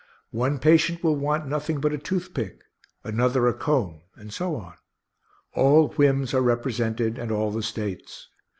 One patient will want nothing but a toothpick, another a comb, and so on. All whims are represented, and all the States.